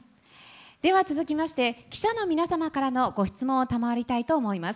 では続きまして、記者の皆様からのご質問を賜りたいと思います。